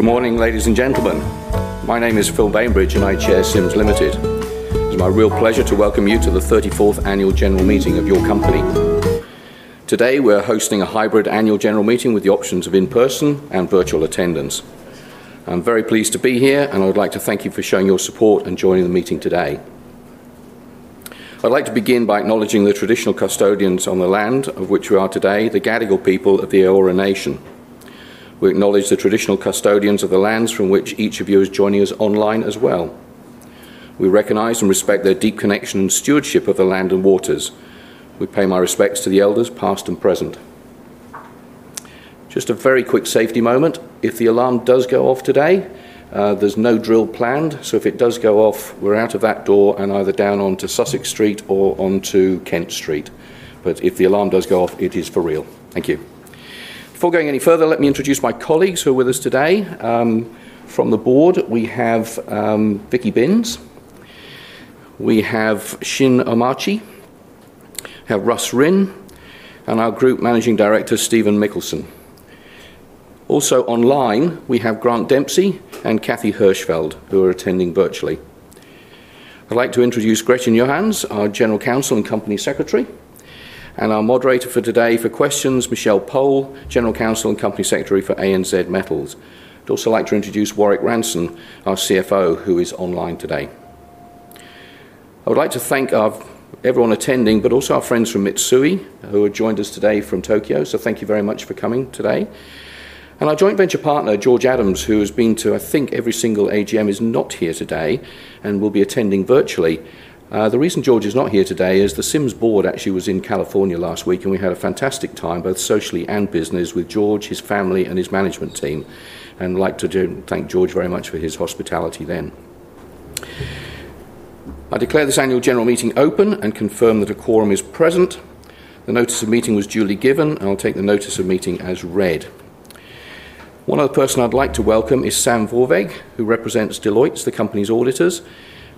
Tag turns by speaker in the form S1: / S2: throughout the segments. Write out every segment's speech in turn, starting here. S1: Good morning, ladies and gentlemen. My name is Phil Bainbridge, and I chair Sims Limited. It's my real pleasure to welcome you to the 34th Annual General Meeting of your company. Today we're hosting a hybrid Annual General Meeting with the options of in-person and virtual attendance. I'm very pleased to be here, and I would like to thank you for showing your support and joining the meeting today. I'd like to begin by acknowledging the traditional custodians on the land of which we are today, the Gadigal people of the Eora Nation. We acknowledge the traditional custodians of the lands from which each of you is joining us online as well. We recognize and respect their deep connection and stewardship of the land and waters. We pay my respects to the elders past and present. Just a very quick safety moment: if the alarm does go off today, there's no drill planned, so if it does go off, we're out of that door and either down onto Sussex Street or onto Kent Street. If the alarm does go off, it is for real. Thank you. Before going any further, let me introduce my colleagues who are with us today. From the Board, we have Vicky Binns, we have Shin Omachi, have Russ Rinn, and our Group Managing Director, Stephen Mikkelsen. Also online, we have Grant Dempsey and Kathy Hirschfeld, who are attending virtually. I'd like to introduce Gretchen Johanns, our General Counsel and Company Secretary, and our moderator for today for questions, Michelle Pole, General Counsel and Company Secretary for ANZ Metals. I'd also like to introduce Warrick Ranson, our CFO, who is online today. I would like to thank everyone attending, but also our friends from Mitsui who have joined us today from Tokyo, so thank you very much for coming today. Our Joint Venture Partner, George Adams, who has been to, I think, every single AGM, is not here today and will be attending virtually. The reason George is not here today is the Sims Board actually was in California last week, and we had a fantastic time, both socially and business, with George, his family, and his Management Team. I would like to thank George very much for his hospitality then. I declare this Annual General Meeting open and confirm that a quorum is present. The notice of meeting was duly given, and I'll take the notice of meeting as read. One other person I'd like to welcome is Sam Vorwerg, who represents Deloitte, the company's auditors,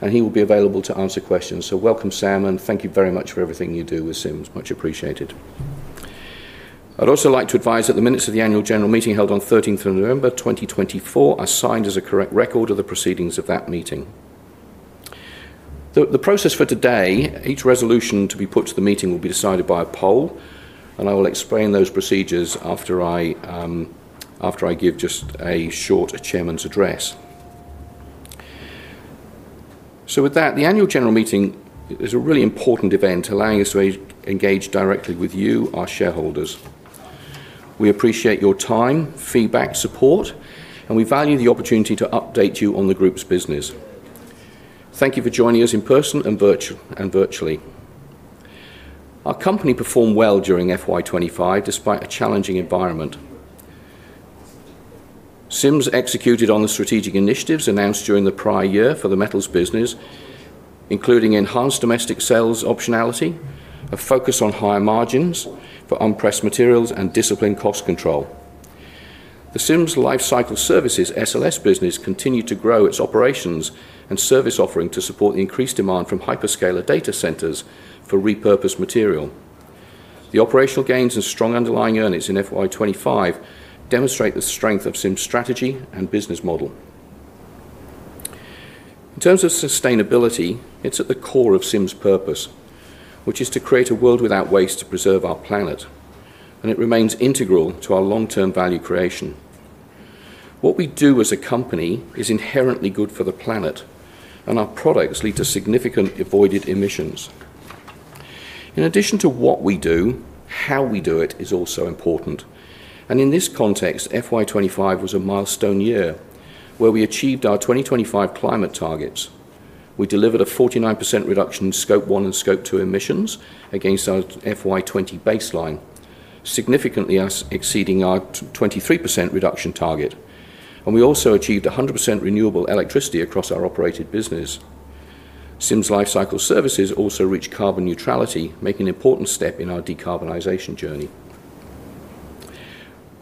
S1: and he will be available to answer questions. Welcome, Sam, and thank you very much for everything you do with Sims. Much appreciated. I'd also like to advise that the minutes of the Annual General Meeting held on 13th November 2024 are signed as a correct record of the proceedings of that meeting. The process for today: each resolution to be put to the meeting will be decided by a poll, and I will explain those procedures after I give just a short Chairman's address. The Annual General Meeting is a really important event, allowing us to engage directly with you, our shareholders. We appreciate your time, feedback, support, and we value the opportunity to update you on the group's business. Thank you for joining us in person and virtually. Our company performed well during FY 2025 despite a challenging environment. Sims executed on the strategic initiatives announced during the prior year for the metals business, including enhanced domestic sales optionality, a focus on higher margins for unpressed materials, and disciplined cost control. The Sims Lifecycle Services (SLS) business continued to grow its operations and service offering to support the increased demand from hyperscaler data centers for repurposed material. The operational gains and strong underlying earnings in FY 2025 demonstrate the strength of Sims' strategy and business model. In terms of sustainability, it's at the core of Sims' purpose, which is to create a world without waste to preserve our planet, and it remains integral to our long-term value creation. What we do as a company is inherently good for the planet, and our products lead to significant avoided emissions. In addition to what we do, how we do it is also important. In this context, FY 2025 was a milestone year where we achieved our 2025 climate targets. We delivered a 49% reduction in Scope 1 and Scope 2 emissions against our FY 2020 baseline, significantly exceeding our 23% reduction target. We also achieved 100% renewable electricity across our operated business. Sims Lifecycle Services also reached carbon neutrality, making an important step in our decarbonization journey.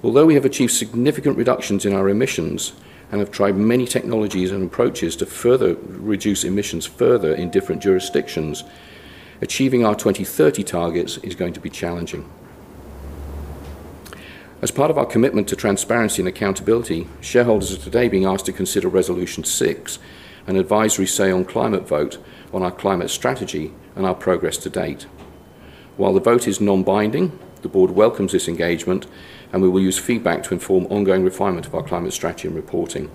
S1: Although we have achieved significant reductions in our emissions and have tried many technologies and approaches to further reduce emissions in different jurisdictions, achieving our 2030 targets is going to be challenging. As part of our commitment to transparency and accountability, shareholders are today being asked to consider Resolution 6, an advisory say-on-climate vote on our climate strategy and our progress to date. While the vote is non-binding, the Board welcomes this engagement, and we will use feedback to inform ongoing refinement of our climate strategy and reporting.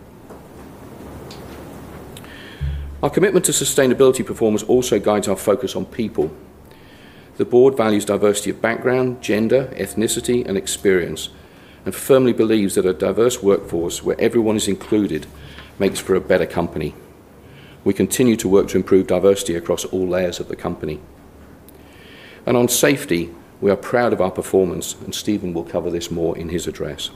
S1: Our commitment to sustainability performance also guides our focus on people. The Board values diversity of background, gender, ethnicity, and experience, and firmly believes that a diverse workforce where everyone is included makes for a better company. We continue to work to improve diversity across all layers of the company. On safety, we are proud of our performance, and Stephen will cover this more in his address.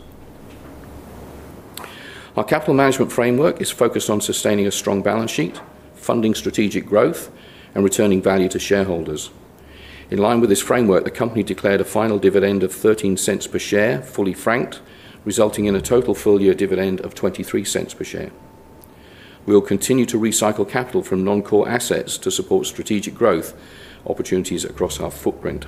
S1: Our capital management framework is focused on sustaining a strong balance sheet, funding strategic growth, and returning value to shareholders. In line with this framework, the company declared a final dividend of 0.13 per share, fully franked, resulting in a total full-year dividend of 0.23 per share. We will continue to recycle capital from non-core assets to support strategic growth opportunities across our footprint.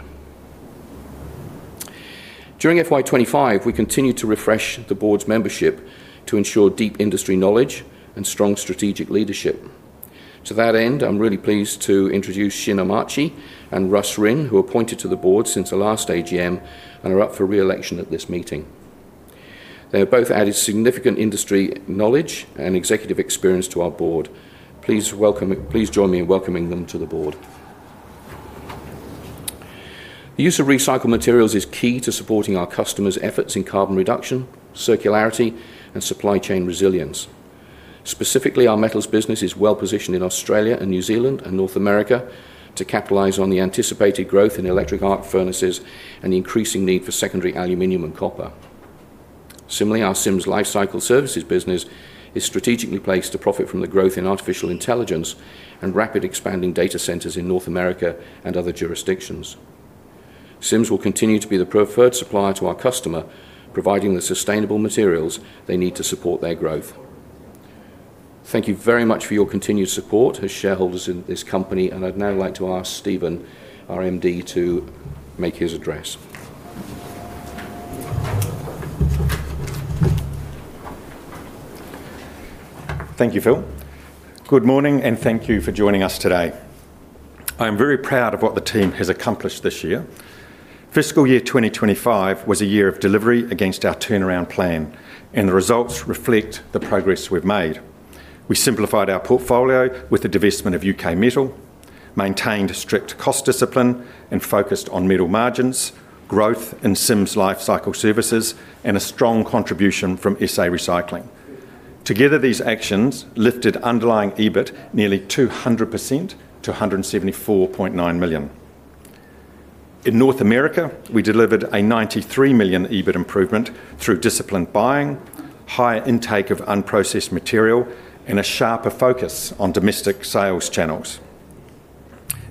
S1: During FY 2025, we continued to refresh the Board's membership to ensure deep industry knowledge and strong strategic leadership. To that end, I'm really pleased to introduce Shin Omachi and Russ Rinn, who were appointed to the Board since the last AGM and are up for re-election at this meeting. They have both added significant industry knowledge and executive experience to our Board. Please join me in welcoming them to the Board. The use of recycled materials is key to supporting our customers' efforts in carbon reduction, circularity, and supply chain resilience. Specifically, our metals business is well positioned in Australia and New Zealand and North America to capitalize on the anticipated growth in electric arc furnaces and the increasing need for secondary aluminium and copper. Similarly, our Sims Lifecycle Services business is strategically placed to profit from the growth in artificial intelligence and rapid expanding data centers in North America and other jurisdictions. Sims will continue to be the preferred supplier to our customer, providing the sustainable materials they need to support their growth. Thank you very much for your continued support as shareholders in this company, and I'd now like to ask Stephen, our MD, to make his address.
S2: Thank you, Phil. Good morning, and thank you for joining us today. I am very proud of what the team has accomplished this year. Fiscal year 2025 was a year of delivery against our turnaround plan, and the results reflect the progress we've made. We simplified our portfolio with the divestment of UK Metal, maintained strict cost discipline, and focused on middle margins, growth in Sims Lifecycle Services, and a strong contribution from SA Recycling. Together, these actions lifted underlying EBIT nearly 200% to 174.9 million. In North America, we delivered an 93 million EBIT improvement through disciplined buying, higher intake of unprocessed material, and a sharper focus on domestic sales channels.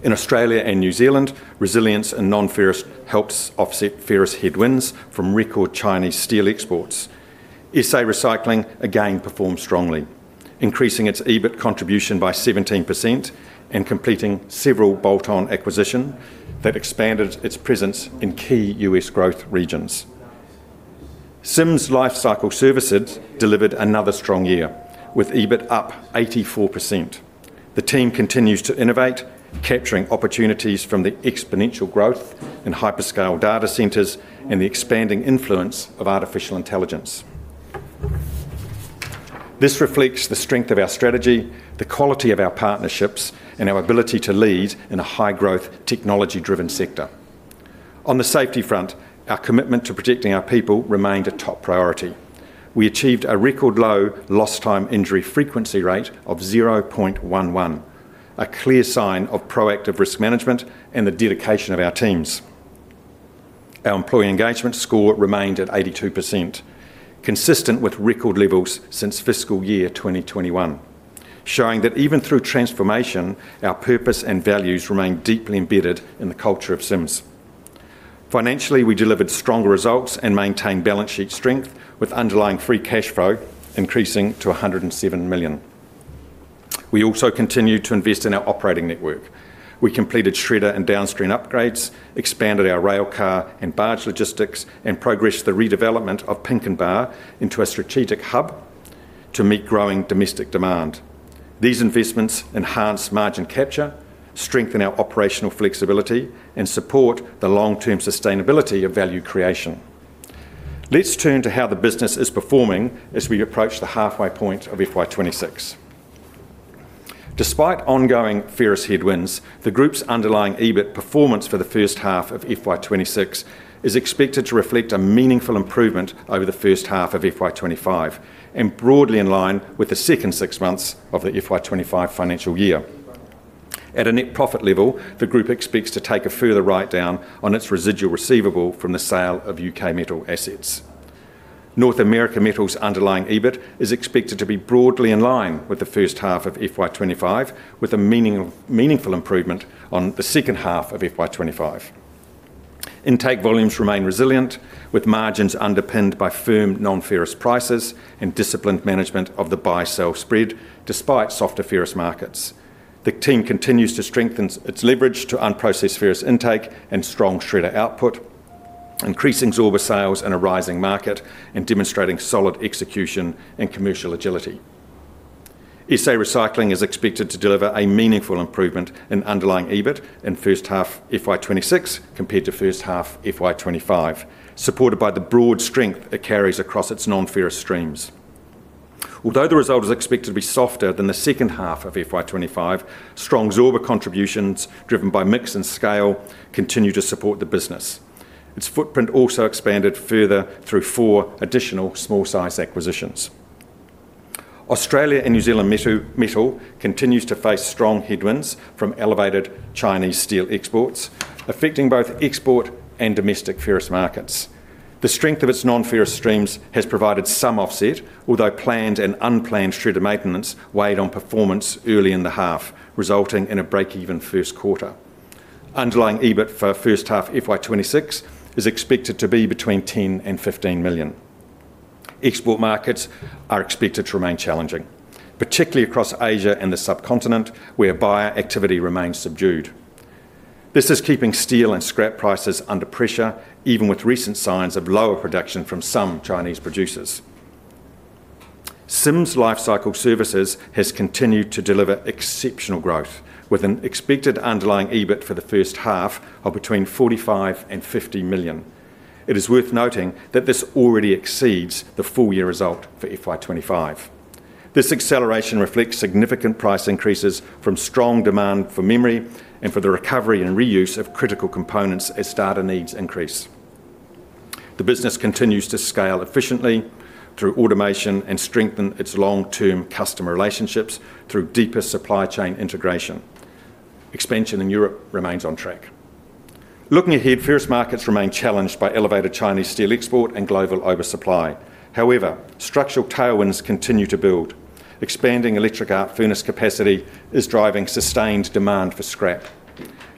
S2: In Australia and New Zealand, resilience and non-ferrous helped offset ferrous headwinds from record Chinese steel exports. SA Recycling, again, performed strongly, increasing its EBIT contribution by 17% and completing several bolt-on acquisitions that expanded its presence in key U.S. growth regions. Sims Lifecycle Services delivered another strong year, with EBIT up 84%. The team continues to innovate, capturing opportunities from the exponential growth in hyperscale data centers and the expanding influence of artificial intelligence. This reflects the strength of our strategy, the quality of our partnerships, and our ability to lead in a high-growth, technology-driven sector. On the safety front, our commitment to protecting our people remained a top priority. We achieved a record-low loss-time injury frequency rate of 0.11, a clear sign of proactive risk management and the dedication of our teams. Our employee engagement score remained at 82%, consistent with record levels since fiscal year 2021, showing that even through transformation, our purpose and values remain deeply embedded in the culture of Sims. Financially, we delivered stronger results and maintained balance sheet strength with underlying free cash flow increasing to 107 million. We also continue to invest in our operating network. We completed shredder and downstream upgrades, expanded our railcar and barge logistics, and progressed the redevelopment of Pinkenbar into a strategic hub to meet growing domestic demand. These investments enhance margin capture, strengthen our operational flexibility, and support the long-term sustainability of value creation. Let's turn to how the business is performing as we approach the halfway point of FY 2026. Despite ongoing ferrous headwinds, the group's underlying EBIT performance for the first half of FY 2026 is expected to reflect a meaningful improvement over the first half of FY 2025 and broadly in line with the second six months of the FY 2025 financial year. At a net profit level, the group expects to take a further write-down on its residual receivable from the sale of UK Metal assets. North America Metal's underlying EBIT is expected to be broadly in line with the first half of FY 2025, with a meaningful improvement on the second half of FY 2025. Intake volumes remain resilient, with margins underpinned by firm non-ferrous prices and disciplined management of the buy-sell spread despite softer ferrous markets. The team continues to strengthen its leverage to unprocessed ferrous intake and strong shredder output, increasing sorbers sales in a rising market and demonstrating solid execution and commercial agility. SA Recycling is expected to deliver a meaningful improvement in underlying EBIT in first half FY 2026 compared to first half FY 2025, supported by the broad strength it carries across its non-ferrous streams. Although the result is expected to be softer than the second half of FY 2025, strong sorber contributions driven by mix and scale continue to support the business. Its footprint also expanded further through four additional small-sized acquisitions. Australia and New Zealand Metal continues to face strong headwinds from elevated Chinese steel exports, affecting both export and domestic ferrous markets. The strength of its non-ferrous streams has provided some offset, although planned and unplanned shredder maintenance weighed on performance early in the half, resulting in a break-even first quarter. Underlying EBIT for first half FY 2026 is expected to be between 10 million and 15 million. Export markets are expected to remain challenging, particularly across Asia and the subcontinent, where buyer activity remains subdued. This is keeping steel and scrap prices under pressure, even with recent signs of lower production from some Chinese producers. Sims Lifecycle Services has continued to deliver exceptional growth, with an expected underlying EBIT for the first half of between 45 million and 50 million. It is worth noting that this already exceeds the full-year result for FY 2025. This acceleration reflects significant price increases from strong demand for memory and for the recovery and reuse of critical components as data needs increase. The business continues to scale efficiently through automation and strengthen its long-term customer relationships through deeper supply chain integration. Expansion in Europe remains on track. Looking ahead, ferrous markets remain challenged by elevated Chinese steel export and global oversupply. However, structural tailwinds continue to build. Expanding electric arc furnace capacity is driving sustained demand for scrap.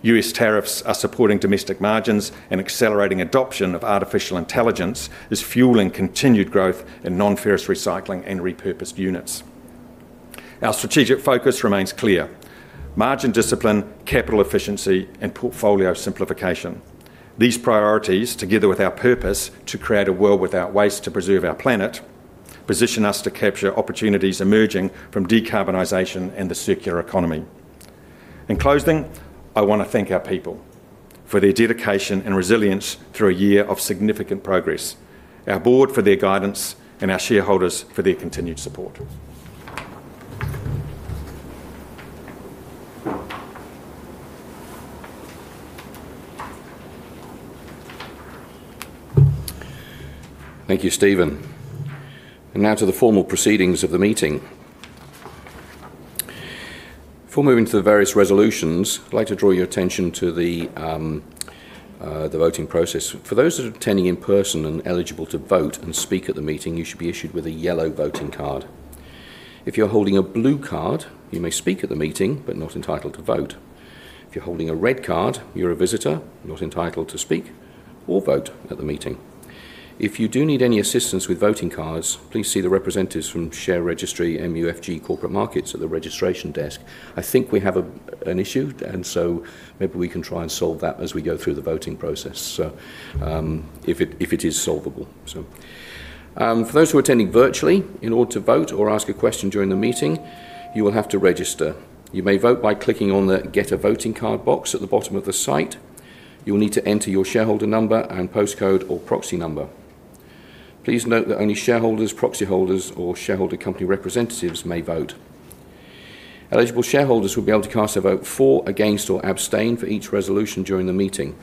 S2: US tariffs are supporting domestic margins, and accelerating adoption of artificial intelligence is fueling continued growth in non-ferrous recycling and repurposed units. Our strategic focus remains clear: margin discipline, capital efficiency, and portfolio simplification. These priorities, together with our purpose to create a world without waste to preserve our planet, position us to capture opportunities emerging from decarbonization and the circular economy. In closing, I want to thank our people for their dedication and resilience through a year of significant progress, our Board for their guidance, and our shareholders for their continued support.
S1: Thank you, Stephen. Now to the formal proceedings of the meeting. Before moving to the various resolutions, I'd like to draw your attention to the voting process. For those attending in person and eligible to vote and speak at the meeting, you should be issued with a yellow voting card. If you're holding a blue card, you may speak at the meeting but are not entitled to vote. If you're holding a red card, you're a visitor, not entitled to speak or vote at the meeting. If you do need any assistance with voting cards, please see the representatives from Share Registry MUFG Corporate Markets at the registration desk. I think we have an issue, and maybe we can try and solve that as we go through the voting process, if it is solvable. For those who are attending virtually, in order to vote or ask a question during the meeting, you will have to register. You may vote by clicking on the Get a Voting Card box at the bottom of the site. You'll need to enter your shareholder number and postcode or proxy number. Please note that only shareholders, proxy holders, or shareholder company representatives may vote. Eligible shareholders will be able to cast a vote for, against, or abstain for each resolution during the meeting.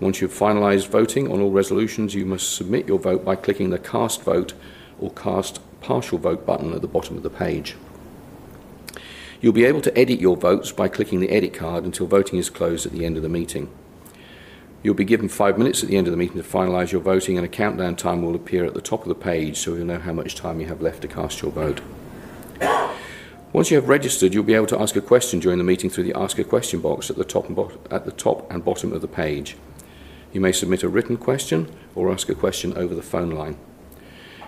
S1: Once you've finalized voting on all resolutions, you must submit your vote by clicking the Cast Vote or Cast Partial Vote button at the bottom of the page. You'll be able to edit your votes by clicking the Edit card until voting is closed at the end of the meeting. You'll be given five minutes at the end of the meeting to finalize your voting, and a countdown timer will appear at the top of the page so you'll know how much time you have left to cast your vote. Once you have registered, you'll be able to ask a question during the meeting through the Ask a Question box at the top and bottom of the page. You may submit a written question or ask a question over the phone line.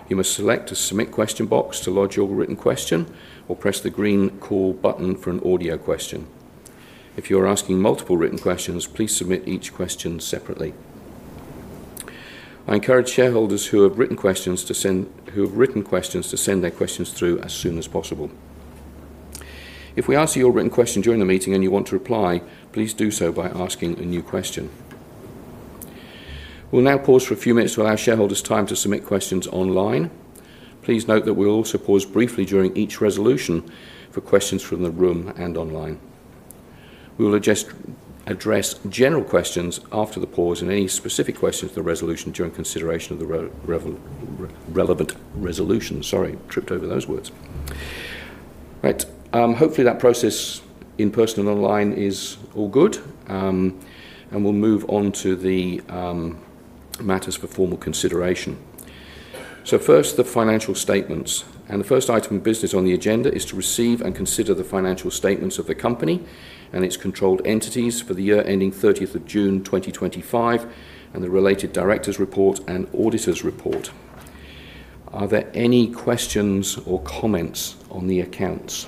S1: You must select a Submit Question box to lodge your written question or press the green Call button for an audio question. If you are asking multiple written questions, please submit each question separately. I encourage shareholders who have written questions to send their questions through as soon as possible. If we answer your written question during the meeting and you want to reply, please do so by asking a new question. We'll now pause for a few minutes to allow shareholders time to submit questions online. Please note that we'll also pause briefly during each resolution for questions from the room and online. We will address general questions after the pause and any specific questions for the resolution during consideration of the relevant resolution. Sorry, tripped over those words. Right. Hopefully, that process in person and online is all good, and we'll move on to the matters for formal consideration. First, the financial statements. The first item of business on the agenda is to receive and consider the financial statements of the company and its controlled entities for the year ending 30th of June 2025 and the related Director's report and auditor's report. Are there any questions or comments on the accounts?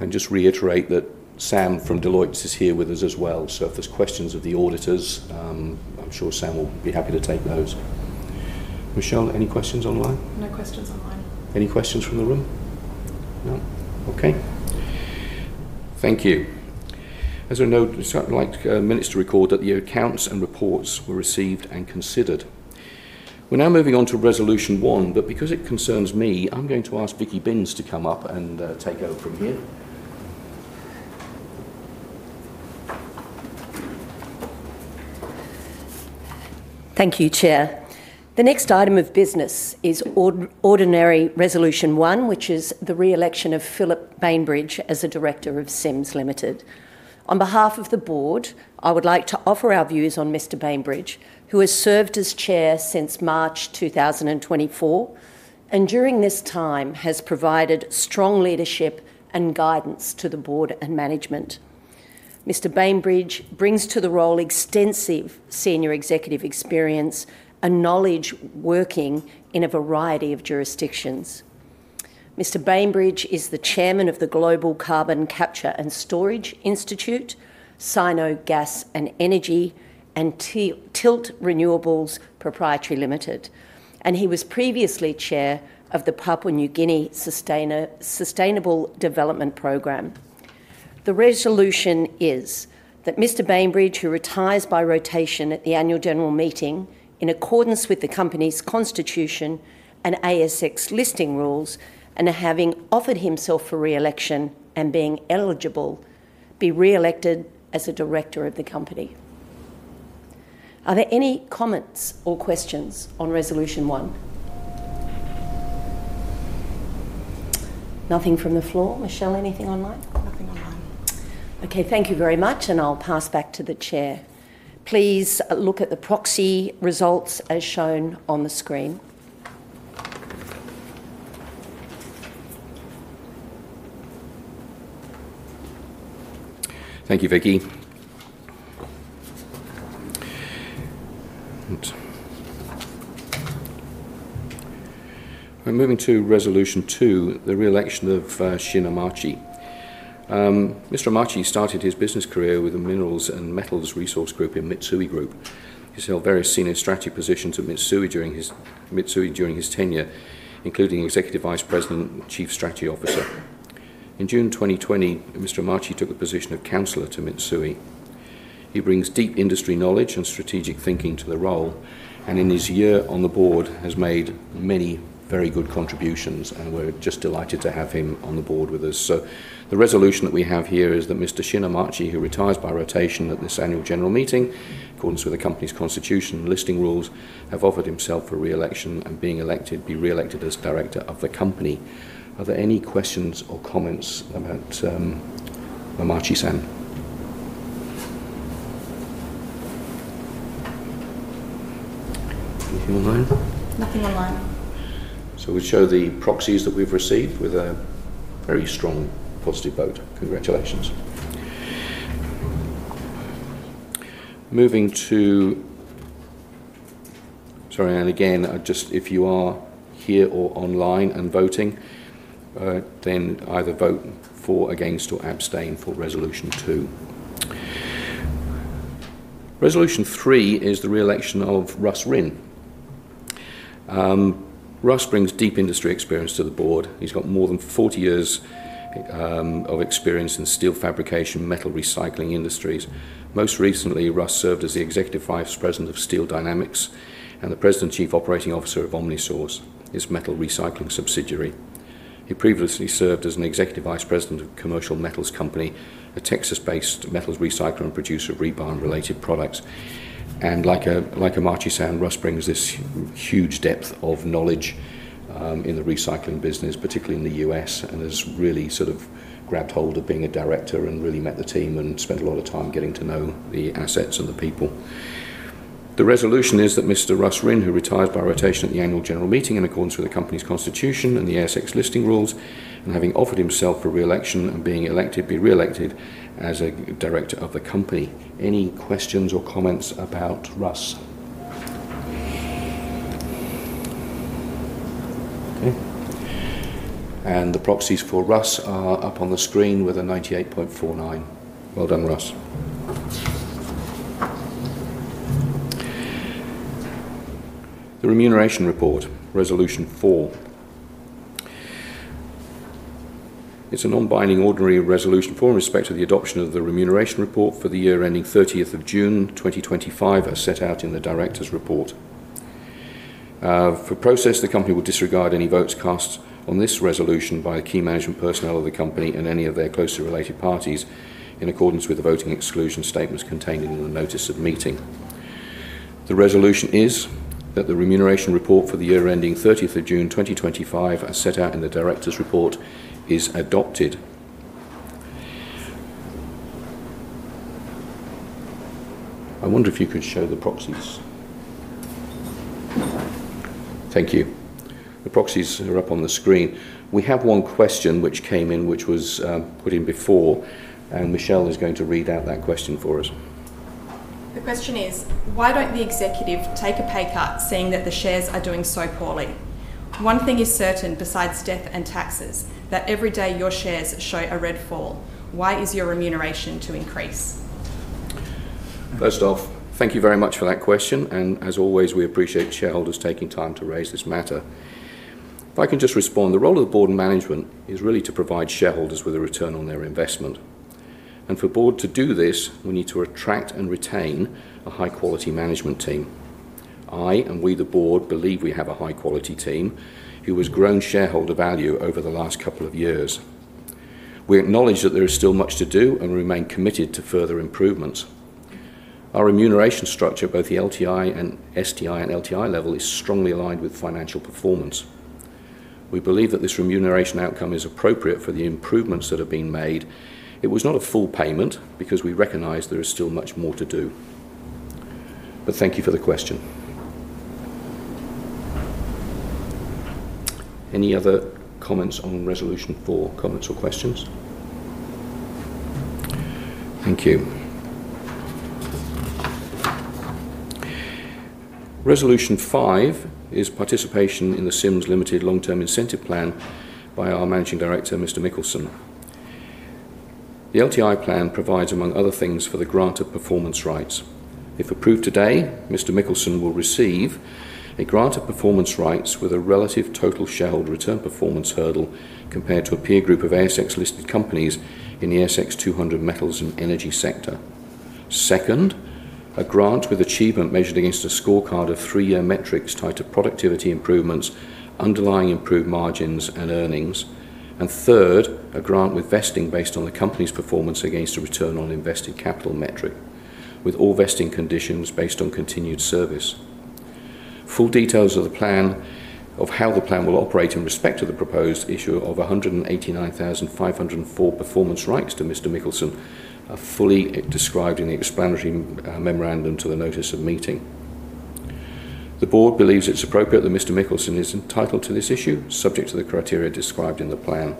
S1: I just reiterate that Sam from Deloitte is here with us as well, so if there's questions of the auditors, I'm sure Sam will be happy to take those. Michelle, any questions online?
S3: No questions online.
S1: Any questions from the room? No? Okay. Thank you. As a note, I'd like minutes to record that the accounts and reports were received and considered. We're now moving on to Resolution 1, but because it concerns me, I'm going to ask Vicky Binns to come up and take over from here.
S4: Thank you, Chair. The next item of business is Ordinary Resolution 1, which is the re-election of Phil Bainbridge as the Director of Sims Limited. On behalf of the Board, I would like to offer our views on Mr. Bainbridge, who has served as Chair since March 2024 and during this time has provided strong leadership and guidance to the Board and Management. Mr. Bainbridge brings to the role extensive senior executive experience and knowledge working in a variety of jurisdictions. Mr. Bainbridge is the Chairman of the Global Carbon Capture and Storage Institute, Sino Gas and Energy, and Tilt Renewables Proprietary Limited, and he was previously Chair of the Papua New Guinea Sustainable Development Program. The resolution is that Mr. Bainbridge, who retires by rotation at the annual general meeting in accordance with the company's constitution and ASX listing rules and having offered himself for re-election and being eligible, be re-elected as a Director of the company. Are there any comments or questions on Resolution 1? Nothing from the floor. Michelle, anything online?
S3: Nothing online.
S4: Okay. Thank you very much, and I'll pass back to the Chair. Please look at the proxy results as shown on the screen.
S1: Thank you, Vicky. We're moving to Resolution 2, the re-election of Shin Omachi. Mr. Omachi started his business career with the Minerals and Metals Resource Group in Mitsui Group. He's held various senior strategy positions at Mitsui during his tenure, including Executive Vice President and Chief Strategy Officer. In June 2020, Mr. Omachi took the position of Councillor to Mitsui. He brings deep industry knowledge and strategic thinking to the role, and in his year on the Board has made many very good contributions, and we're just delighted to have him on the Board with us. The resolution that we have here is that Mr. Shin Omachi, who retires by rotation at this annual general meeting, in accordance with the company's constitution and listing rules, has offered himself for re-election and, being elected, be re-elected as Director of the company. Are there any questions or comments about Omachi, Sam? Anything online?
S3: Nothing online.
S1: We show the proxies that we've received with a very strong positive vote. Congratulations. Moving to, sorry, and again, just if you are here or online and voting, then either vote for, against, or abstain for Resolution 2. Resolution 3 is the re-election of Russ Rinn. Russ brings deep industry experience to the Board. He's got more than 40 years of experience in Steel Fabrication and Metal Recycling industries. Most recently, Russ served as the Executive Vice President of Steel Dynamics and the President and Chief Operating Officer of OmniSource, his metal recycling subsidiary. He previously served as an Executive Vice President of Commercial Metals Company, a Texas-based metals recycler and producer of rebar-related products. Like Shin Omachi, Russ brings this huge depth of knowledge in the recycling business, particularly in the U.S., and has really sort of grabbed hold of being a Director and really met the team and spent a lot of time getting to know the assets and the people. The resolution is that Mr. Russ Rinn, who retires by rotation at the annual general meeting in accordance with the company's constitution and the ASX listing rules, and having offered himself for re-election and being elected, be re-elected as a Director of the company. Any questions or comments about Russ? Okay. The proxies for Russ are up on the screen with a 98.49%. Well done, Russ. The remuneration report, Resolution 4. It is a non-binding ordinary resolution form respecting the adoption of the remuneration report for the year ending 30th of June 2025 as set out in the Director's report. For process, the company will disregard any votes cast on this resolution by key management personnel of the company and any of their closely related parties in accordance with the voting exclusion statements contained in the notice of meeting. The resolution is that the remuneration report for the year ending 30th of June 2025 as set out in the Director's report is adopted. I wonder if you could show the proxies. Thank you. The proxies are up on the screen. We have one question which came in, which was put in before, and Michelle is going to read out that question for us.
S3: The question is, why do not the executive take a pay cut saying that the shares are doing so poorly? One thing is certain besides death and taxes: that every day your shares show a red fall. Why is your remuneration to increase?
S1: First off, thank you very much for that question, and as always, we appreciate shareholders taking time to raise this matter. If I can just respond, the role of the Board and management is really to provide shareholders with a return on their investment. For the Board to do this, we need to attract and retain a high-quality management team. I and we, the Board, believe we have a high-quality team who has grown shareholder value over the last couple of years. We acknowledge that there is still much to do and remain committed to further improvements. Our remuneration structure, both the LTI and STI and LTI level, is strongly aligned with financial performance. We believe that this remuneration outcome is appropriate for the improvements that have been made. It was not a full payment because we recognize there is still much more to do. Thank you for the question. Any other comments on Resolution 4, comments or questions? Thank you. Resolution 5 is participation in the Sims Limited long-term incentive plan by our Managing Director, Mr. Mikkelsen. The LTI plan provides, among other things, for the grant of performance rights. If approved today, Mr. Mikkelsen will receive a grant of performance rights with a relative total shareholder return performance hurdle compared to a peer group of ASX-listed companies in the ASX 200 metals and energy sector. Second, a grant with achievement measured against a scorecard of three-year metrics tied to productivity improvements, underlying improved margins and earnings. Third, a grant with vesting based on the company's performance against a return on invested capital metric, with all vesting conditions based on continued service. Full details of the plan of how the plan will operate in respect of the proposed issue of 189,504 performance rights to Mr. Mikkelsen are fully described in the explanatory memorandum to the notice of meeting. The Board believes it's appropriate that Mr. Mikkelsen is entitled to this issue, subject to the criteria described in the plan.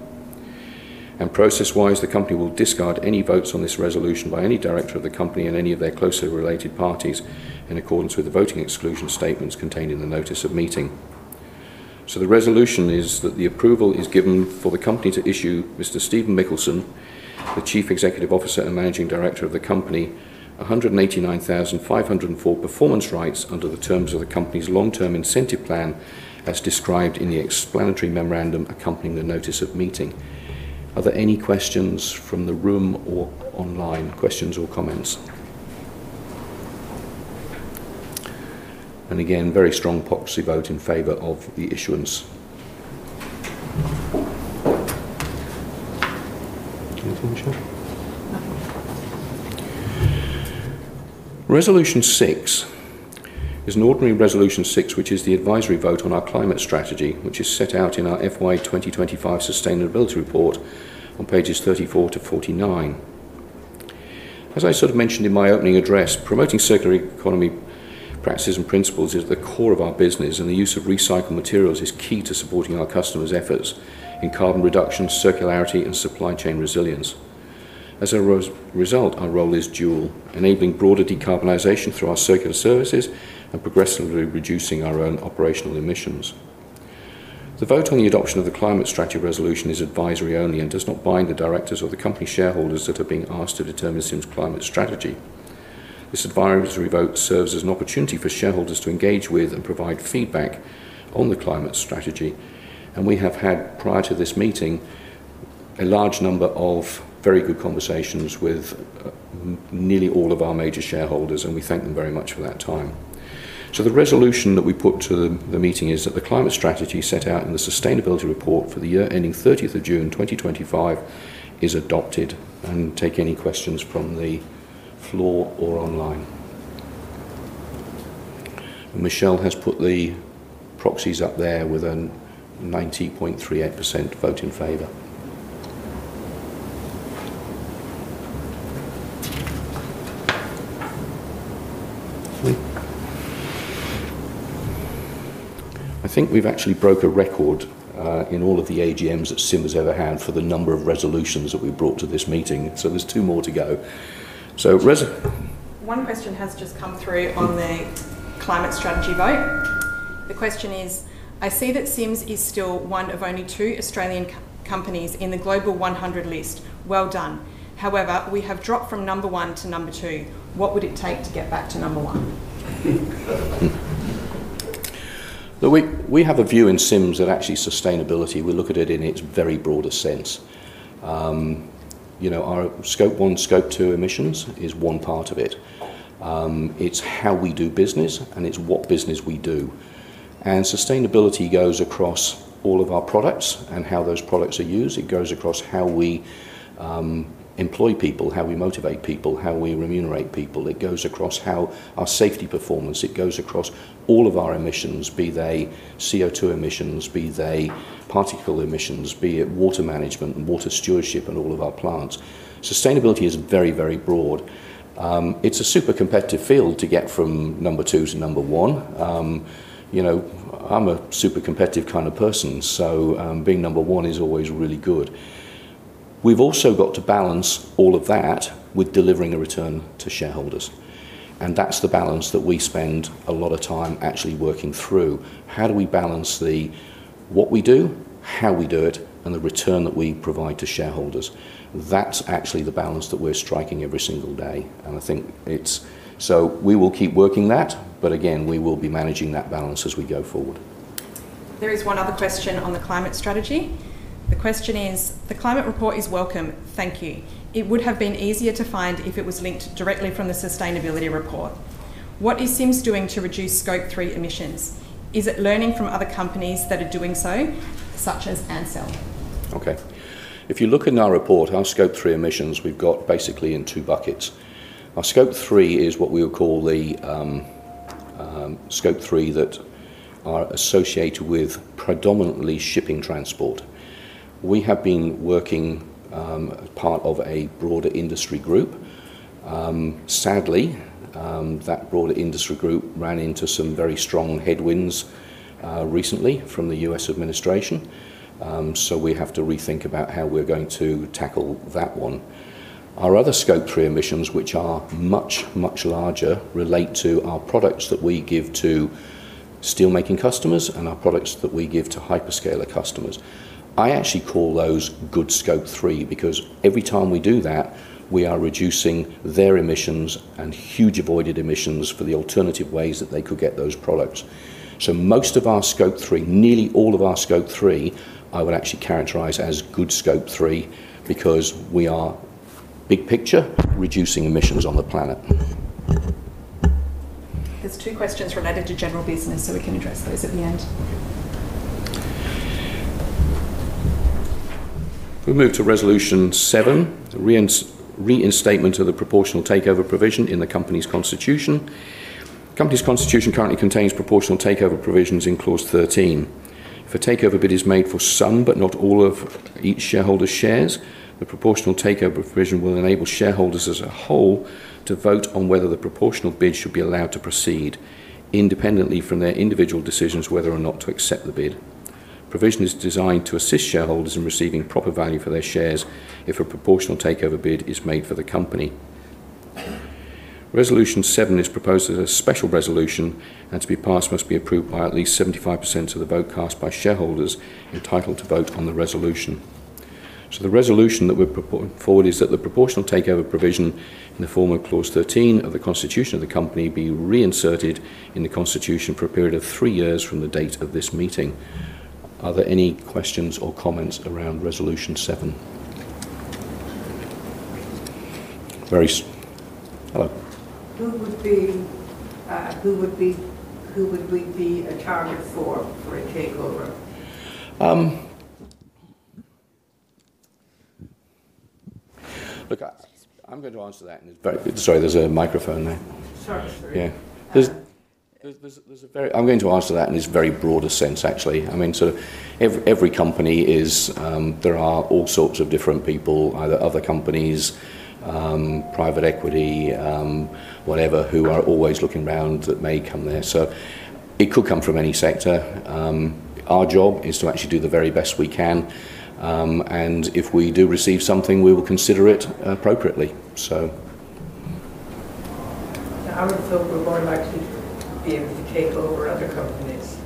S1: Process-wise, the company will discard any votes on this resolution by any Director of the company and any of their closely related parties in accordance with the voting exclusion statements contained in the notice of meeting. The resolution is that the approval is given for the company to issue Mr. Stephen Mikkelsen, the Chief Executive Officer and Managing Director of the company, 189,504 performance rights under the terms of the company's long-term incentive plan as described in the explanatory memorandum accompanying the notice of meeting. Are there any questions from the room or online? Questions or comments? Again, very strong proxy vote in favor of the issuance. Anything, Michelle?
S3: Nothing.
S1: Resolution 6 is an ordinary resolution 6, which is the advisory vote on our climate strategy, which is set out in our FY 2025 sustainability report on pages 34-49. As I sort of mentioned in my opening address, promoting circular economy practices and principles is at the core of our business, and the use of recycled materials is key to supporting our customers' efforts in carbon reduction, circularity, and supply chain resilience. As a result, our role is dual, enabling broader decarbonization through our circular services and progressively reducing our own operational emissions. The vote on the adoption of the climate strategy resolution is advisory only and does not bind the directors or the company shareholders that are being asked to determine Sims' climate strategy. This advisory vote serves as an opportunity for shareholders to engage with and provide feedback on the climate strategy. We have had, prior to this meeting, a large number of very good conversations with nearly all of our major shareholders, and we thank them very much for that time. The resolution that we put to the meeting is that the climate strategy set out in the sustainability report for the year ending 30th of June 2025 is adopted. I will take any questions from the floor or online. Michelle has put the proxies up there with a 90.38% vote in favor. I think we've actually broken a record in all of the AGMs that Sims ever had for the number of resolutions that we brought to this meeting, so there are two more to go.
S3: One question has just come through on the climate strategy vote. The question is, I see that Sims is still one of only two Australian companies in the Global 100 list. Well done. However, we have dropped from number one to number two. What would it take to get back to number one?
S1: Look, we have a view in Sims that actually sustainability, we look at it in its very broader sense. Our scope one, scope two emissions is one part of it. It's how we do business, and it's what business we do. Sustainability goes across all of our products and how those products are used. It goes across how we employ people, how we motivate people, how we remunerate people. It goes across our safety performance. It goes across all of our emissions, be they CO2 emissions, be they particle emissions, be it water management and water stewardship in all of our plants. Sustainability is very, very broad. It's a super competitive field to get from number two to number one. I'm a super competitive kind of person, so being number one is always really good. We've also got to balance all of that with delivering a return to shareholders. That is the balance that we spend a lot of time actually working through. How do we balance what we do, how we do it, and the return that we provide to shareholders? That is actually the balance that we are striking every single day. I think we will keep working that, but again, we will be managing that balance as we go forward.
S3: There is one other question on the climate strategy. The question is, the climate report is welcome. Thank you. It would have been easier to find if it was linked directly from the sustainability report. What is Sims doing to reduce Scope 3 emissions? Is it learning from other companies that are doing so, such as Ancel?
S1: Okay. If you look in our report, our scope 3 emissions, we've got basically in two buckets. Our Scope 3 is what we will call the Scope 3 that are associated with predominantly shipping transport. We have been working as part of a broader industry group. Sadly, that broader industry group ran into some very strong headwinds recently from the U.S. administration, so we have to rethink about how we're going to tackle that one. Our other Scope 3 emissions, which are much, much larger, relate to our products that we give to steelmaking customers and our products that we give to hyperscaler customers. I actually call those good Scope 3 because every time we do that, we are reducing their emissions and huge avoided emissions for the alternative ways that they could get those products. Most of ourSscope 3, nearly all of our Scope 3, I would actually characterize as good Scope 3 because we are big picture reducing emissions on the planet.
S3: are two questions related to general business, so we can address those at the end.
S1: We'll move to Resolution 7, reinstatement of the proportional takeover provision in the company's constitution. The company's constitution currently contains proportional takeover provisions in clause 13. If a takeover bid is made for some, but not all of each shareholder's shares, the proportional takeover provision will enable shareholders as a whole to vote on whether the proportional bid should be allowed to proceed independently from their individual decisions whether or not to accept the bid. Provision is designed to assist shareholders in receiving proper value for their shares if a proportional takeover bid is made for the company. Resolution 7 is proposed as a special resolution, and to be passed must be approved by at least 75% of the vote cast by shareholders entitled to vote on the resolution. The resolution that we're proposing forward is that the proportional takeover provision in the form of clause 13 of the constitution of the company be reinserted in the constitution for a period of three years from the date of this meeting. Are there any questions or comments around Resolution 7? Very hello.
S5: Who would be the target for a takeover?
S1: Look, I'm going to answer that in this very sorry, there's a microphone there.
S6: Sorry, Mr. Reid.
S1: Yeah. There's a very, I'm going to answer that in this very broader sense, actually. I mean, every company is, there are all sorts of different people, either other companies, private equity, whatever, who are always looking around that may come there. It could come from any sector. Our job is to actually do the very best we can. If we do receive something, we will consider it appropriately.
S5: I would feel we're more likely to be able to take over other companies.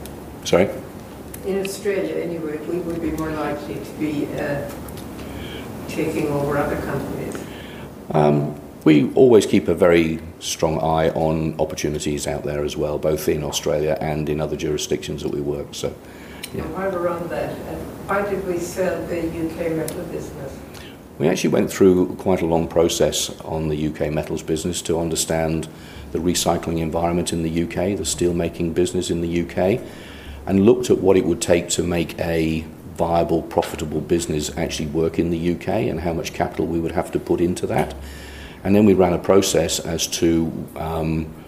S1: Sorry?
S5: In Australia anyway, we would be more likely to be taking over other companies.
S1: We always keep a very strong eye on opportunities out there as well, both in Australia and in other jurisdictions that we work, yeah.
S5: How do you run that? How did we set up the UK Metal business?
S1: We actually went through quite a long process on the UK Metals business to understand the recycling environment in the U.K., the steelmaking business in the U.K., and looked at what it would take to make a viable, profitable business actually work in the U.K. and how much capital we would have to put into that. We ran a process as to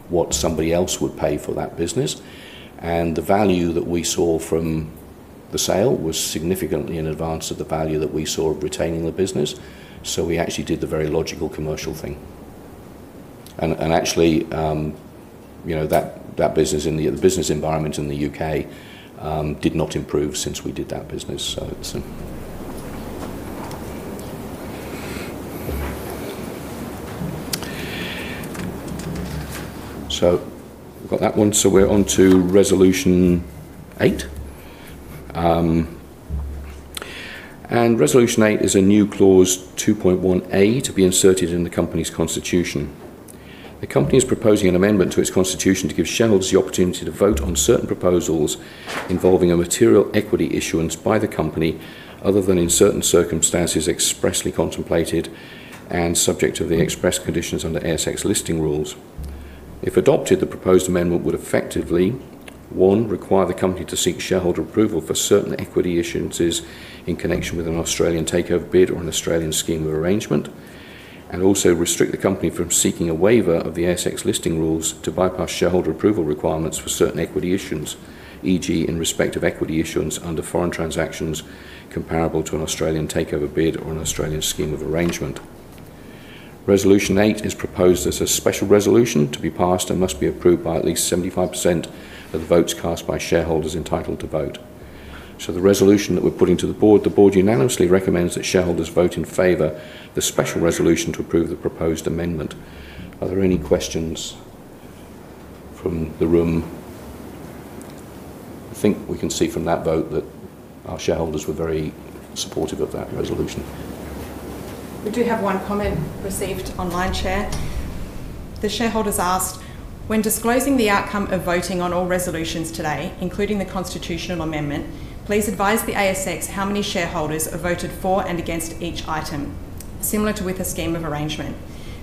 S1: what somebody else would pay for that business. The value that we saw from the sale was significantly in advance of the value that we saw of retaining the business. We actually did the very logical commercial thing. Actually, that business, the business environment in the U.K., did not improve since we did that business. We have got that one. We are on to Resolution 8. Resolution 8 is a new clause 2.1A to be inserted in the company's constitution. The company is proposing an amendment to its constitution to give shareholders the opportunity to vote on certain proposals involving a material equity issuance by the company other than in certain circumstances expressly contemplated and subject to the express conditions under ASX listing rules. If adopted, the proposed amendment would effectively, one, require the company to seek shareholder approval for certain equity issuances in connection with an Australian takeover bid or an Australian scheme of arrangement, and also restrict the company from seeking a waiver of the ASX listing rules to bypass shareholder approval requirements for certain equity issuance, e.g., in respect of equity issuance under foreign transactions comparable to an Australian takeover bid or an Australian scheme of arrangement. Resolution 8 is proposed as a special resolution to be passed and must be approved by at least 75% of the votes cast by shareholders entitled to vote. The resolution that we're putting to the Board, the Board unanimously recommends that shareholders vote in favor of the special resolution to approve the proposed amendment. Are there any questions from the room? I think we can see from that vote that our shareholders were very supportive of that resolution.
S3: We do have one comment received online, Chair. The shareholder has asked, "When disclosing the outcome of voting on all resolutions today, including the constitutional amendment, please advise the ASX how many shareholders have voted for and against each item, similar to with a scheme of arrangement.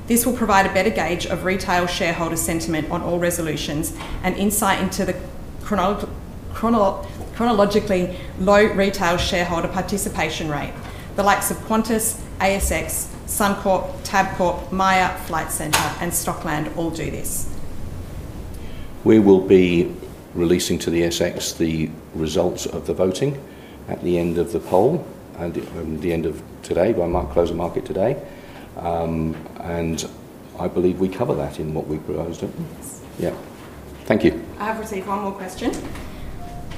S3: This will provide a better gauge of retail shareholder sentiment on all resolutions and insight into the chronologically low retail shareholder participation rate. The likes of Qantas, ASX, Suncorp, Tabcorp, Myer, Flight Centre, and Stockland all do this.
S1: We will be releasing to the ASX the results of the voting at the end of the poll and the end of today by close of market today. I believe we cover that in what we proposed.
S3: Yes.
S1: Yeah. Thank you.
S3: I have received one more question.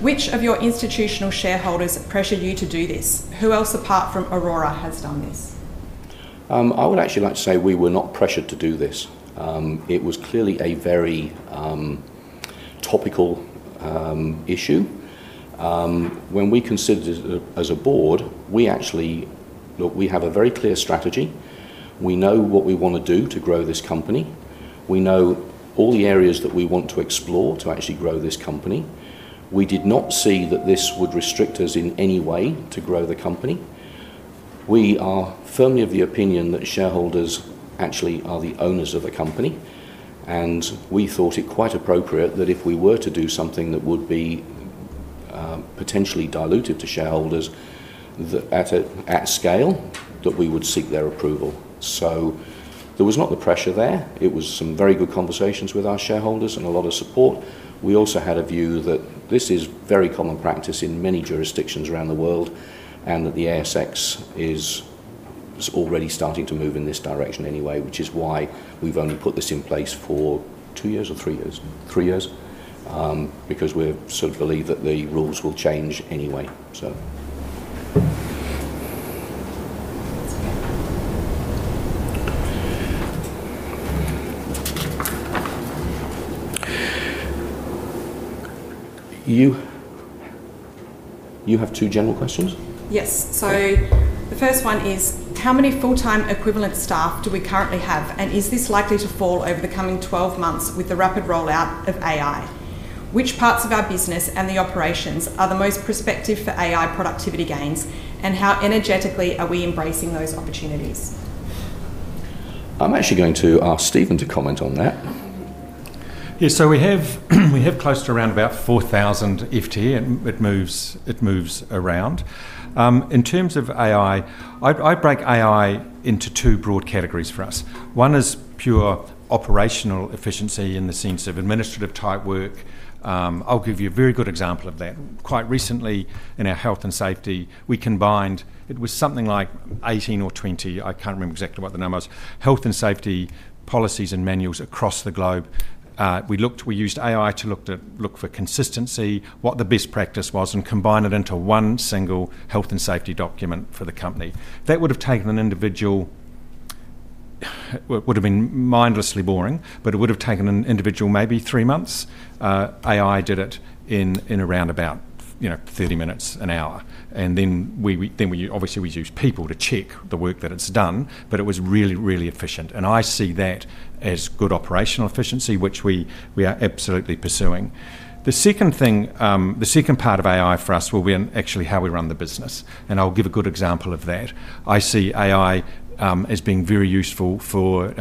S3: Which of your institutional shareholders pressured you to do this? Who else apart from Aurora has done this?
S1: I would actually like to say we were not pressured to do this. It was clearly a very topical issue. When we considered it as a Board, we actually look, we have a very clear strategy. We know what we want to do to grow this company. We know all the areas that we want to explore to actually grow this company. We did not see that this would restrict us in any way to grow the company. We are firmly of the opinion that shareholders actually are the owners of the company. We thought it quite appropriate that if we were to do something that would be potentially dilutive to shareholders at scale, that we would seek their approval. There was not the pressure there. It was some very good conversations with our shareholders and a lot of support. We also had a view that this is very common practice in many jurisdictions around the world and that the ASX is already starting to move in this direction anyway, which is why we've only put this in place for two years or three years? Three years? Because we sort of believe that the rules will change anyway. You have two general questions?
S3: Yes. The first one is, how many full-time equivalent staff do we currently have, and is this likely to fall over the coming 12 months with the rapid rollout of AI? Which parts of our business and the operations are the most prospective for AI productivity gains, and how energetically are we embracing those opportunities?
S1: I'm actually going to ask Stephen to comment on that.
S2: Yeah, so we have close to around about 4,000 if it moves around. In terms of AI, I break AI into two broad categories for us. One is pure operational efficiency in the sense of administrative-type work. I'll give you a very good example of that. Quite recently, in our health and safety, we combined—it was something like 18 or 20, I can't remember exactly what the number was—health and safety policies and manuals across the globe. We used AI to look for consistency, what the best practice was, and combine it into one single health and safety document for the company. That would have taken an individual—it would have been mindlessly boring, but it would have taken an individual maybe three months. AI did it in around about 30 minutes, an hour. We use people to check the work that it's done, but it was really, really efficient. I see that as good operational efficiency, which we are absolutely pursuing. The second part of AI for us will be actually how we run the business. I'll give a good example of that. I see AI as being very useful for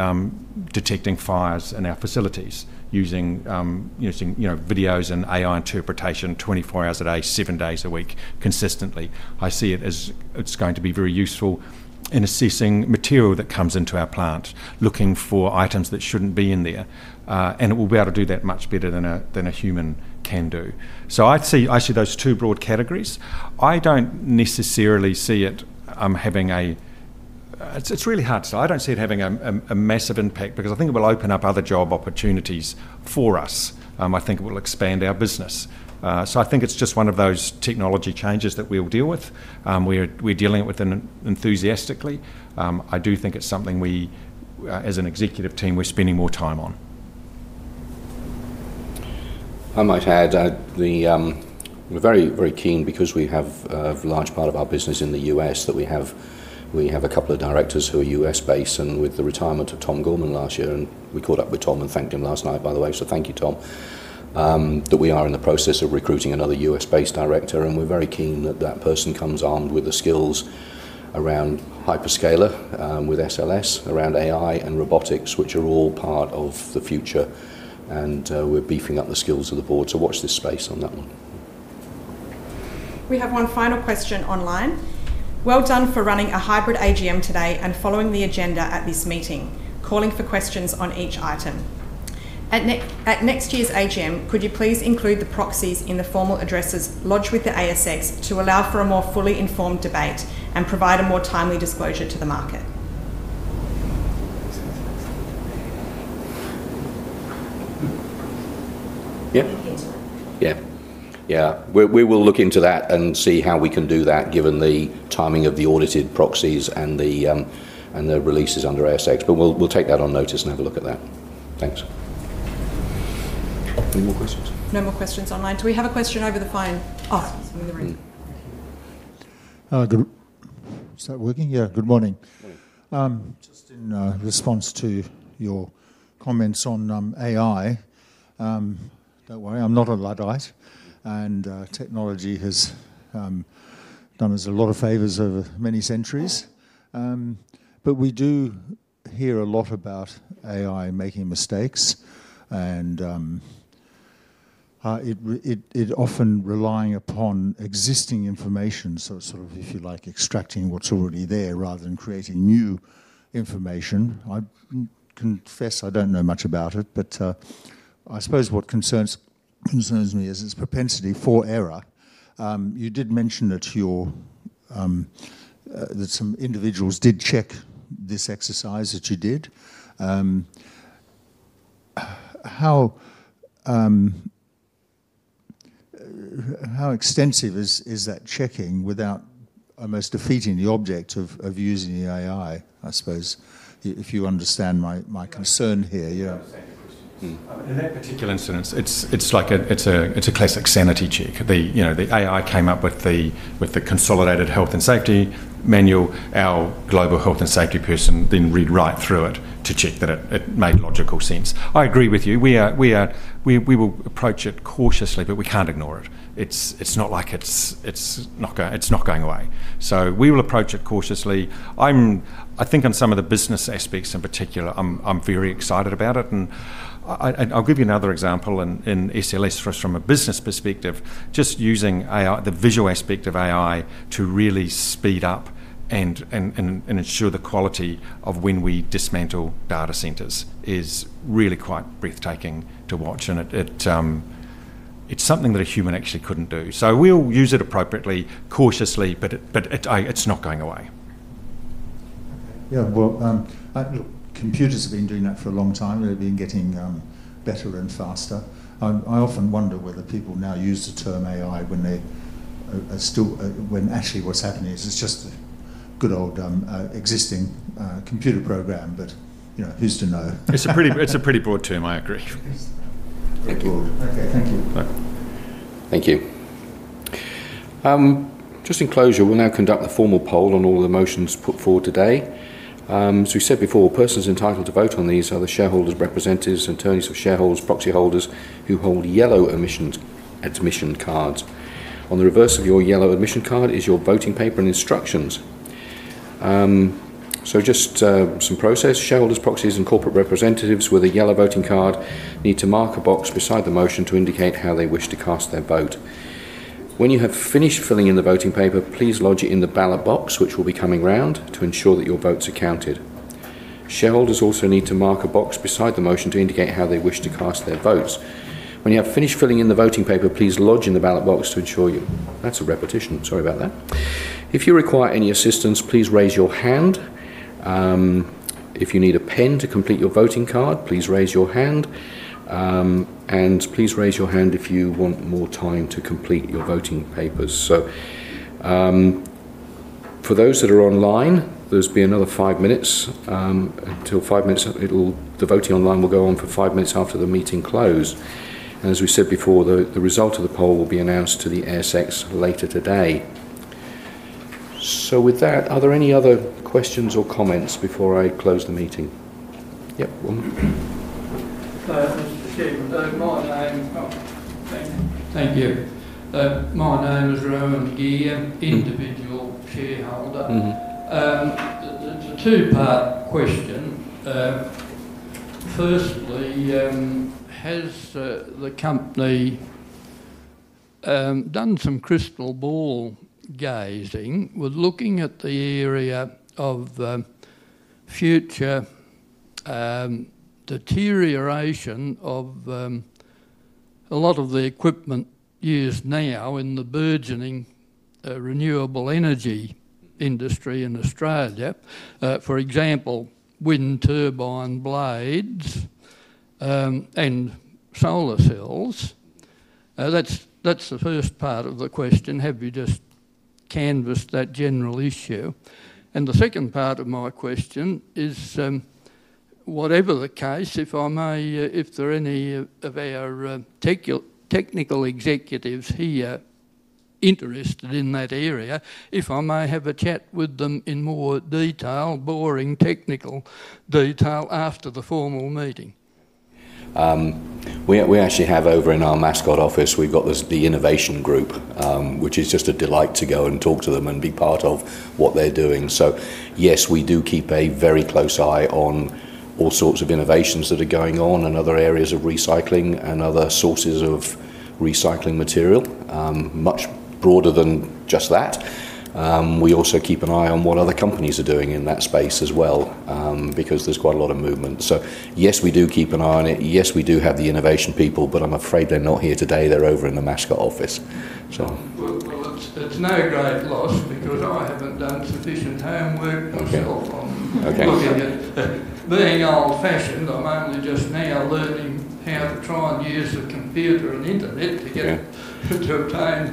S2: detecting fires in our facilities using videos and AI interpretation 24 hours a day, seven days a week, consistently. I see it as it's going to be very useful in assessing material that comes into our plant, looking for items that shouldn't be in there. It will be able to do that much better than a human can do. I see those two broad categories. I don't necessarily see it having a—it's really hard to say. I do not see it having a massive impact because I think it will open up other job opportunities for us. I think it will expand our business. I think it is just one of those technology changes that we will deal with. We are dealing with it enthusiastically. I do think it is something we, as an executive team, are spending more time on.
S1: I might add that we are very, very keen because we have a large part of our business in the U.S. that we have a couple of directors who are U.S.-based. With the retirement of Tom Gorman last year, and we caught up with Tom and thanked him last night, by the way, so thank you, Tom, we are in the process of recruiting another U.S.-based Director. We are very keen that that person comes on with the skills around hyperscaler, with SLS, around AI and robotics, which are all part of the future. We are beefing up the skills of the Board to watch this space on that one.
S3: We have one final question online. Well done for running a hybrid AGM today and following the agenda at this meeting. Calling for questions on each item. At next year's AGM, could you please include the proxies in the formal addresses lodged with the ASX to allow for a more fully informed debate and provide a more timely disclosure to the market?
S1: Yeah. Yeah. We will look into that and see how we can do that given the timing of the audited proxies and the releases under ASX. We'll take that on notice and have a look at that. Thanks. Any more questions?
S3: No more questions online. Do we have a question over the phone? Oh, someone in the room.
S7: Thank you. Is that working? Yeah. Good morning. Just in response to your comments on AI, do not worry, I am not a Luddite. And technology has done us a lot of favors over many centuries. We do hear a lot about AI making mistakes and it often relying upon existing information, so sort of, if you like, extracting what is already there rather than creating new information. I confess I do not know much about it, but I suppose what concerns me is its propensity for error. You did mention that some individuals did check this exercise that you did. How extensive is that checking without almost defeating the object of using the AI, I suppose, if you understand my concern here?
S2: I understand your question. In that particular incidence, it's like a classic sanity check. The AI came up with the consolidated health and safety manual. Our global health and safety person then read right through it to check that it made logical sense. I agree with you. We will approach it cautiously, but we can't ignore it. It's not like it's not going away. We will approach it cautiously. I think on some of the business aspects in particular, I'm very excited about it. I will give you another example in SLS from a business perspective, just using the visual aspect of AI to really speed up and ensure the quality of when we dismantle data centers is really quite breathtaking to watch. It's something that a human actually couldn't do. We will use it appropriately, cautiously, but it's not going away.
S7: Yeah. Computers have been doing that for a long time. They've been getting better and faster. I often wonder whether people now use the term AI when actually what's happening is it's just a good old existing computer program, but who's to know?
S2: It's a pretty broad term, I agree.
S7: Okay. Thank you.
S1: Thank you. Just in closure, we'll now conduct the formal poll on all the motions put forward today. As we said before, persons entitled to vote on these are the shareholders, representatives, attorneys of shareholders, proxy holders who hold yellow admission cards. On the reverse of your yellow admission card is your voting paper and instructions. Just some process. Shareholders, proxies, and corporate representatives with a yellow voting card need to mark a box beside the motion to indicate how they wish to cast their vote. When you have finished filling in the voting paper, please lodge it in the ballot box, which will be coming round to ensure that your votes are counted. Shareholders also need to mark a box beside the motion to indicate how they wish to cast their votes. When you have finished filling in the voting paper, please lodge in the ballot box to ensure you—that's a repetition. Sorry about that. If you require any assistance, please raise your hand. If you need a pen to complete your voting card, please raise your hand. Please raise your hand if you want more time to complete your voting papers. For those that are online, there's been another five minutes. Until five minutes, the voting online will go on for five minutes after the meeting closes. As we said before, the result of the poll will be announced to the ASX later today. With that, are there any other questions or comments before I close the meeting? Yep.
S8: Hello. My name is Rowan Ghee, individual shareholder. It's a two-part question. Firstly, has the company done some crystal ball gazing? We're looking at the area of future deterioration of a lot of the equipment used now in the burgeoning renewable energy industry in Australia. For example, wind turbine blades and solar cells. That's the first part of the question. Have you just canvassed that general issue? The second part of my question is, whatever the case, if there are any of our technical executives here interested in that area, if I may have a chat with them in more detail, boring technical detail after the formal meeting?
S1: We actually have over in our Mascot office, we've got the innovation group, which is just a delight to go and talk to them and be part of what they're doing. Yes, we do keep a very close eye on all sorts of innovations that are going on and other areas of recycling and other sources of recycling material, much broader than just that. We also keep an eye on what other companies are doing in that space as well because there's quite a lot of movement. Yes, we do keep an eye on it. Yes, we do have the innovation people, but I'm afraid they're not here today. They're over in the Mascot office.
S8: That is no great loss because I have not done sufficient homework myself on looking at being old-fashioned. I am only just now learning how to try and use the computer and internet to obtain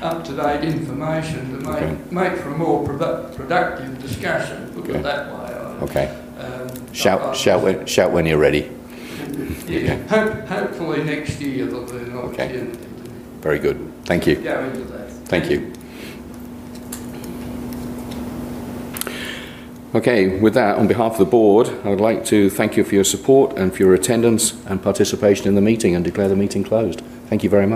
S8: up-to-date information to make for a more productive discussion. Look at it that way.
S1: Shout when you're ready.
S8: Hopefully next year, there'll be an opportunity to.
S1: Very good. Thank you.
S8: Go into that.
S1: Thank you. Okay. With that, on behalf of the Board, I would like to thank you for your support and for your attendance and participation in the meeting and declare the meeting closed. Thank you very much.